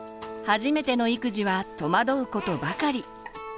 初めての育児は戸惑うことばかり。